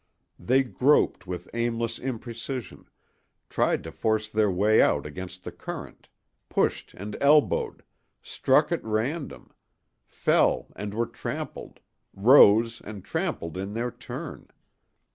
They groped with aimless imprecision, tried to force their way out against the current, pushed and elbowed, struck at random, fell and were trampled, rose and trampled in their turn.